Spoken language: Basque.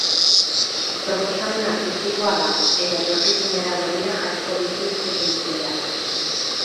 Proposamen artistikoa da, eta etorkizunera begira jarriko ditu ikus-entzuleak.